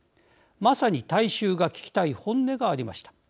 まさに大衆が聞きたい本音がありました。